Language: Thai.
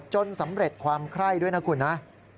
สำเร็จความไคร้ด้วยนะคุณนะ